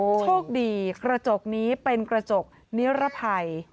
โชคดีกระจกนี้เป็นกระจกนิรภัย